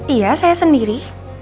iya saya sendiri